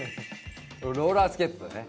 ローラースケートだね。